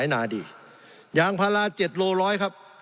สงบจนจะตายหมดแล้วครับ